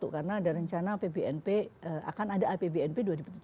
karena ada rencana apbnp akan ada apbnp dua ribu tujuh belas